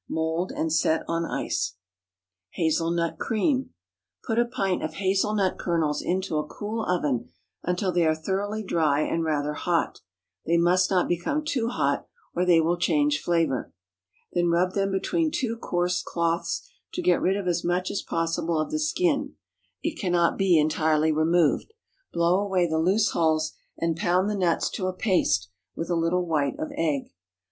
Mould and set on ice. Hazel nut Cream. Put a pint of hazel nut kernels into a cool oven until they are thoroughly dry and rather hot (they must not become too hot, or they will change flavor); then rub them between two coarse cloths to get rid of as much as possible of the skin (it cannot be entirely removed); blow away the loose hulls, and pound the nuts to a paste with a little white of egg.